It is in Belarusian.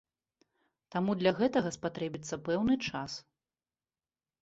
Таму для гэтага спатрэбіцца пэўны час.